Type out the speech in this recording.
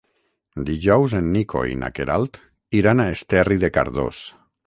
Dijous en Nico i na Queralt iran a Esterri de Cardós.